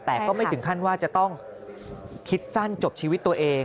แต่ก็ไม่ถึงขั้นว่าจะต้องคิดสั้นจบชีวิตตัวเอง